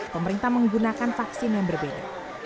pemerintah menggunakan vaksin yang berbeda